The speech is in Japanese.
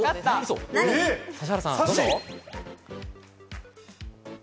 指原さんどうぞ。